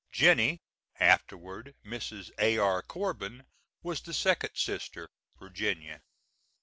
"Jennie," afterward Mrs. A.R. Corbin, was the second sister, Virginia.